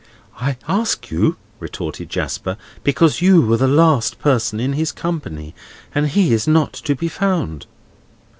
"I ask you," retorted Jasper, "because you were the last person in his company, and he is not to be found."